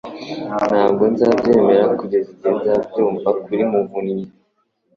Ntabwo nzabyemera kugeza igihe nzabyumva kuri Muvunnyi